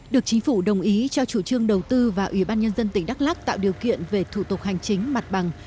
được chính phủ đồng ý cho chủ trương đầu tư và ủy ban nhân dân tỉnh đắk lắc tạo điều kiện về thủ tục hành chính mặt bằng